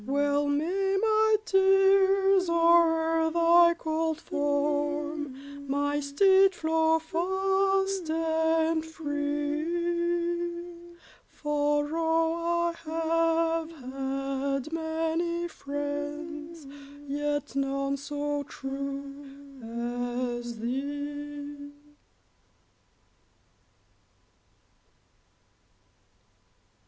Well may my tears o'er thy cold form, My steed, flow fast and free, For, oh! I have had many friends, Yet none so true as thee!